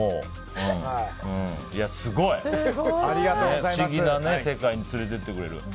不思議な世界に連れていってくれる。